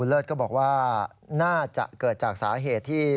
เลิศก็บอกว่าน่าจะเกิดจากสาเหตุที่